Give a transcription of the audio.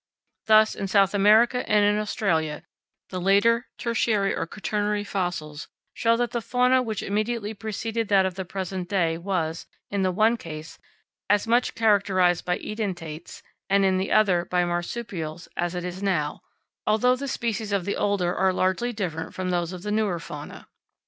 Thus, in South America and in Australia, the later tertiary or quaternary fossils show that the fauna which immediately preceded that of the present day was, in the one case, as much characterised by edentates and, in the other, by marsupials as it is now, although the species of the older are largely different from those of the newer fauna.